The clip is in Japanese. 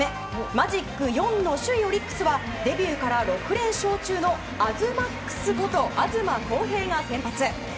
マジック４の首位オリックスはデビューから６連勝中の東ＭＡＸこと東晃平が先発。